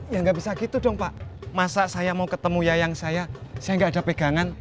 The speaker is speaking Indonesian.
ya nggak bisa gitu dong pak masa saya mau ketemu yayang saya saya nggak ada pegangan